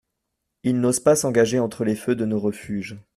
Ils n'osent pas s'engager entre les feux de nos refuges.